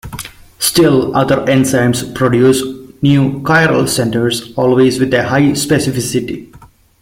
Still other enzymes produce new chiral centers, always with a high specificity.